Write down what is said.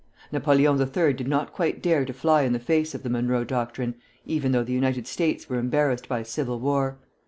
Napoleon III. did not quite dare to fly in the face of the Monroe doctrine, even though the United States were embarrassed by civil war.